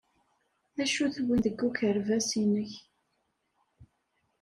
D acu-t win, deg ukerbas-nnek?